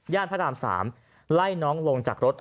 พระราม๓ไล่น้องลงจากรถ